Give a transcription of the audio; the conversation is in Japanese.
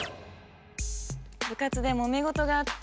部活でもめ事があって。